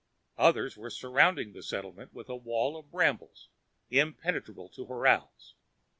Others were surrounding the settlement with a wall of brambles, impenetrable to horals.